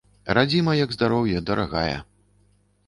Радзіма, як здароўе, дарагая!